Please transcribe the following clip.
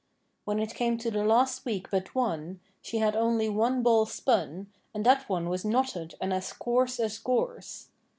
When it came to the last week but one, she had only one ball spun, and that one was knotted and as coarse as gorse.